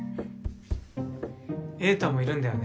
栄太もいるんだよね？